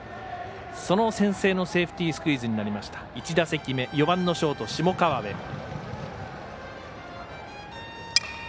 その先制のセーフティースクイズになった１打席目４番のショート、下川邊。